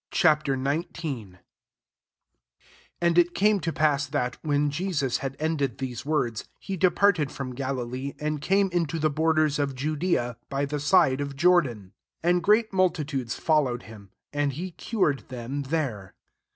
XIX. 1 AND it came to pass, that, when Jesus had end ed these words, he depart^ from Galilee, and came into the borders of Judea, by the side of Jordan. 2 And great multitudes followed him; and he cured them there.